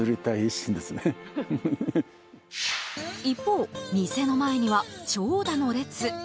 一方、店の前には長蛇の列。